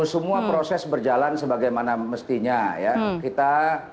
semua proses berjalan sebagaimana mestinya ya